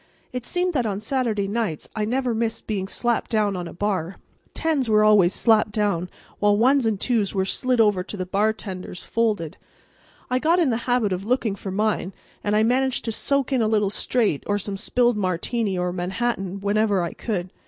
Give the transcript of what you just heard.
It seemed that on Saturday nights I never missed being slapped down on a bar. Tens were always slapped down, while ones and twos were slid over to the bartenders folded. I got in the habit of looking for mine, and I managed to soak in a little straight or some spilled Martini or Manhattan whenever I could.